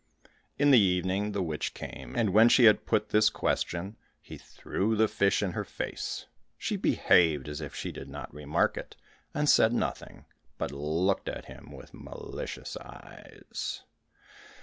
'" In the evening the witch came, and when she had put this question, he threw the fish in her face. She behaved as if she did not remark it, and said nothing, but looked at him with malicious eyes.